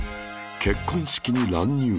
結婚式に乱入